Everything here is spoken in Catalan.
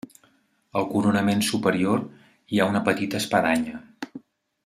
Al coronament superior hi ha una petita espadanya.